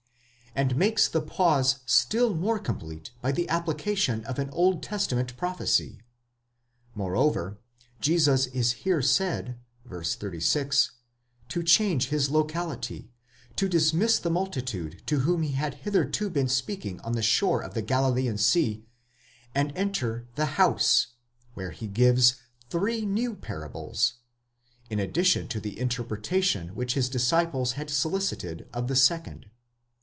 and makes the pause still more complete by the application of an Old Testament prophecy; moreover, Jesus is here said (36) to change his locality, to dismiss the multitude to whom he had hitherto been speaking on the shore of the Galilean sea, and enter the house, εἰς τὴν οἰκίαν, where he gives three new parables, in addition to the interpretation which his disciples had solicited of the second.